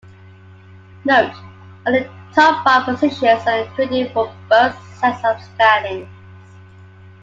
Note, only the top five positions are included for both sets of standings.